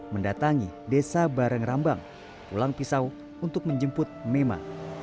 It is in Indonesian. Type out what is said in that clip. mendatangi desa bareng rambang pulang pisau untuk menjemput mema